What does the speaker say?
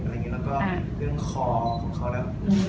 แล้วก็เรื่องคอของเขาแล้ว